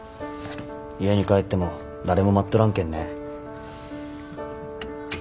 家に帰っても誰も待っとらんけんね。